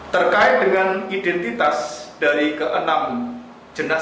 terkait dengan identitas dari ke enam jenazah